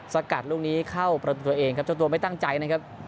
สกัดลูกนี้เข้าประตูตัวเองครับเจ้าตัวไม่ตั้งใจนะครับ